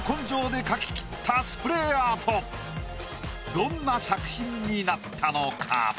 どんな作品になったのか？